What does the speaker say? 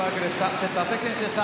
セッター・関選手でした。